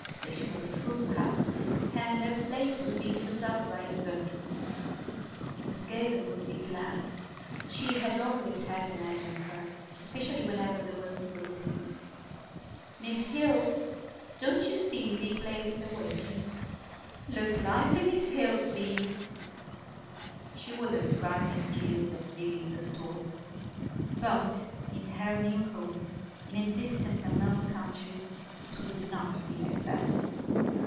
Say she was a fool, perhaps; and her place would be filled up by advertisement. Miss Gavan would be glad. She had always had an edge on her, especially whenever there were people listening. "Miss Hill, don't you see these ladies are waiting?" "Look lively, Miss Hill, please." She would not cry many tears at leaving the Stores. But in her new home, in a distant unknown country, it would not be like that.